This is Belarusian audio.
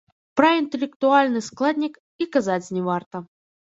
Пра інтэлектуальны складнік і казаць не варта.